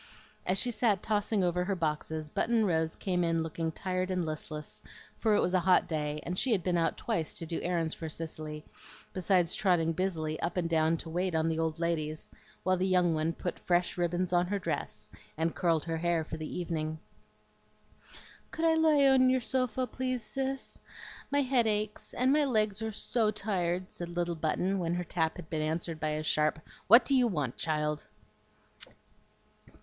As she sat tossing over her boxes, Button Rose came in looking tired and listless, for it was a hot day, and she had been out twice to do errands for Cicely, besides trotting busily up and down to wait on the old ladies while the young one put fresh ribbons on her dress and curled her hair for the evening. "Could I lie on your sofa, please, Cis? My head aches, and my legs are SO tired," said little Button, when her tap had been answered by a sharp "What do you want, child?"